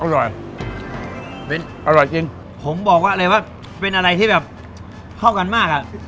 อร่อยเป็นอร่อยจริงผมบอกว่าเลยว่าเป็นอะไรที่แบบเข้ากันมากอ่ะ